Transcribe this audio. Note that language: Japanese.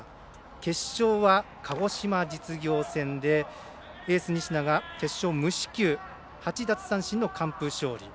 決勝は鹿児島実業戦でエース西田が決勝無四球８奪三振の完封勝利。